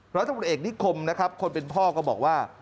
ราศิษย์ตำรวจเอกนิคมคนเป็นพ่อก็บอกว่า